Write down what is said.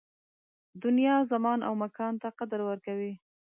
دنیا زمان او مکان ته قدر ورکوي